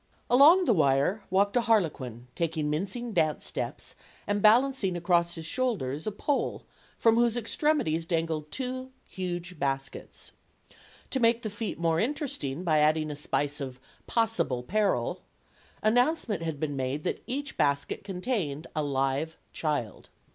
Along the wire walked a harlequin, taking mincing dance steps and balancing across his shoulders a pole from whose extremities dangled two huge baskets. To make the feat the more interesting by adding a spice of possible peril, announcement had been made that each basket contained a live child.